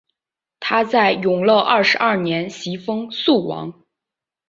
他在永乐二十二年袭封肃王。